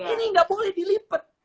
ini nggak boleh dilipet